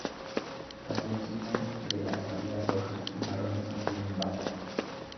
Las enzimas de las algas rojas y marrones contienen vanadio.